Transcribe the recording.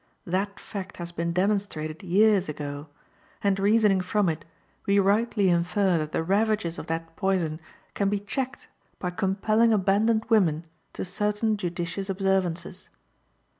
That fact has been demonstrated years ago, and, reasoning from it, we rightly infer that the ravages of that poison can be checked by compelling abandoned women to certain judicious observances.